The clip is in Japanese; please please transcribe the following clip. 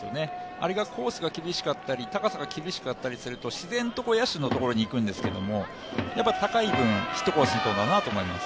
あれがコースが厳しかったり、高さが厳しかったりすると自然と野手のところにいくんですけれども、高い分ヒットコースにいくんだなと思います。